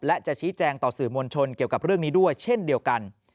และจะชี้แจงต่อสื่อมวลชนเกี่ยวกับเรื่องนี้ด้วยเช่นเดียวกัน